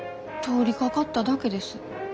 通りかかっただけです。